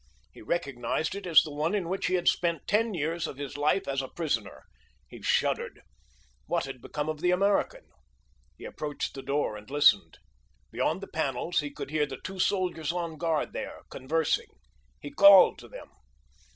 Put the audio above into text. He recognized it as the one in which he had spent ten years of his life as a prisoner. He shuddered. What had become of the American? He approached the door and listened. Beyond the panels he could hear the two soldiers on guard there conversing. He called to them.